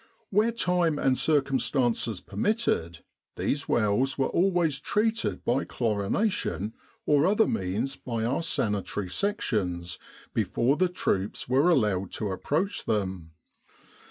Where time and circumstances permitted, these wells were always treated by chlorination or other means by our Sanitary Sections before the troops were allowed to approach them.